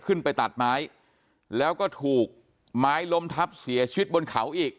ขึ้นไปตัดไม้แล้วก็ถูกไม้ล้มทับเสียชีวิตบนเขาอีก